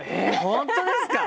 本当ですか！